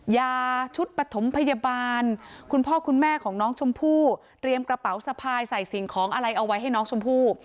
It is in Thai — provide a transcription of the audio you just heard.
ยาชุดปฐมพยาบาลคุณพ่อคุณแม่ของน้องชมพู่เตรียมกระเป๋าสะพายใส่สิ่งของอะไรเอาไว้ให้น้องชมพู่